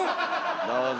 どうぞ。